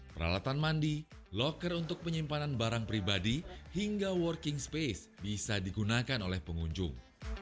peralatan mandi loker untuk penyimpanan barang pribadi hingga working space bisa digunakan oleh pengunjung